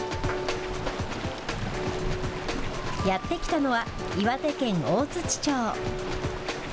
やって来たのは、岩手県大槌町。